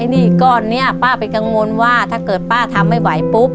หนี้ก้อนนี้ป้าไปกังวลว่าถ้าเกิดป้าทำไม่ไหวปุ๊บ